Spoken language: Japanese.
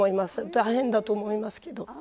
大変だと思いますけど。